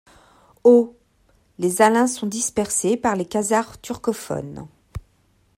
Au les Alains sont dispersés par les Khazars turcophones.